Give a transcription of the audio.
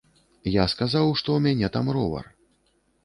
Я сказаў, што ў мяне там ровар.